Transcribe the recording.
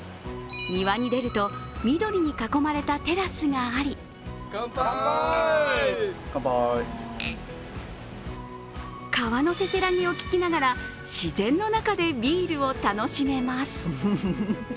庭に出ると緑に囲まれたテラスがあり川のせせらぎを聞きながら自然の中でビールを楽しめます。